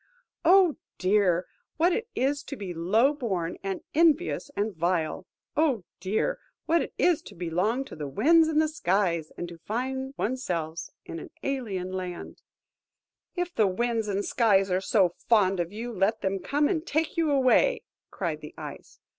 Oh dear, what it is to be low born, and envious, and vile! Oh dear, what it is to belong to the winds and the skies, and to find one's self in an alien land!" "If the winds and the skies are so fond of you, let them come and take you away," cried the Ice.